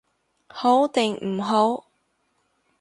好定唔好？